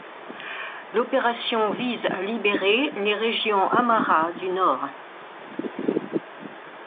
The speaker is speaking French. L'opération vise à libérer les régions amharas du nord.